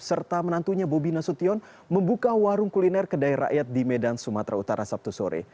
serta menantunya bobi nasution membuka warung kuliner kedai rakyat di medan sumatera utara sabtu sore